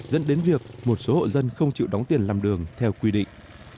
dẫn đến việc một số hộ dân không chịu đóng tiền làm đường theo quy định